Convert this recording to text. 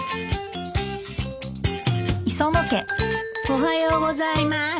おはようございます。